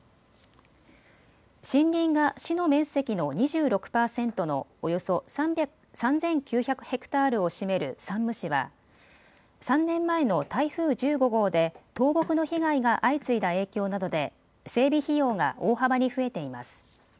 森林が市の面積の２６％のおよそ３９００ヘクタールを占める山武市は３年前の台風１５号で倒木の被害が相次いだ影響などで整備費用が大幅に増えています。